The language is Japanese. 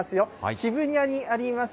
渋谷にあります